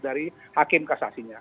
dari hakim kasasinya